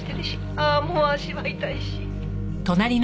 「ああもう足は痛いし」